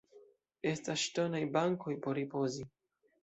Estas ŝtonaj bankoj por ripozi.